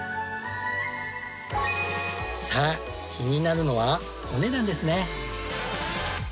さあ気になるのはお値段ですね！